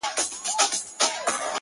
جادوګر ویل زما سر ته دي امان وي،